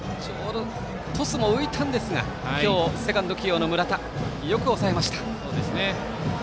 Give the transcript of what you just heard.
トスも浮いたんですがセカンド起用の村田よく抑えました。